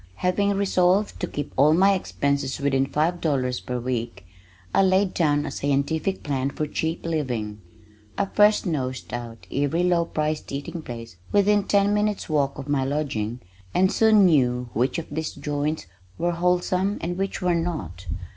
Having resolved to keep all my expenses within five dollars per week, I laid down a scientific plan for cheap living. I first nosed out every low priced eating place within ten minutes walk of my lodging and soon knew which of these "joints" were wholesome, and which were not.